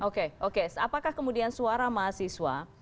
oke oke apakah kemudian suara mahasiswa